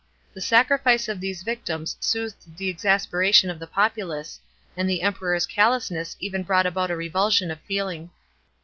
The sacrifice of these victims soothed the exasperation of the populace^ and the Emperor's callousness even brought about a revulsion of feeling.